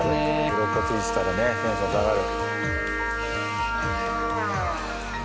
うろこ付いてたらねテンション下がる。